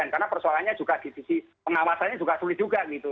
karena persoalannya juga di sisi pengawasannya juga sulit juga gitu